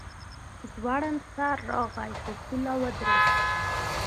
ځوړند سر راغی په پوله ودرېد.